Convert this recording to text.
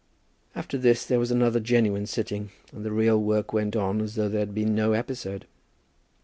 After this there was another genuine sitting, and the real work went on as though there had been no episode.